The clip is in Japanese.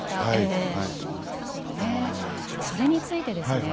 でそれについてですね